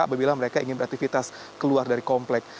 bila mereka ingin beraktivitas keluar dari kompleks